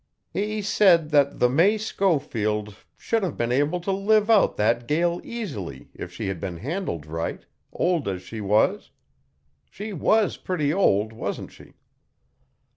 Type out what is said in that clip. "He said that the May Schofield should have been able to live out that gale easily if she had been handled right, old as she was. She was pretty old, wasn't she?"